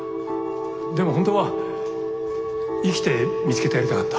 でも本当は生きて見つけてやりたかった。